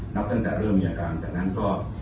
ตั้งแต่เริ่มมีอาการจากนั้นก็